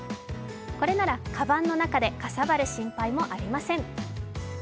これなら、かばんの中でかさばる心配もありません。